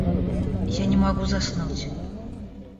Я не могу заснуть.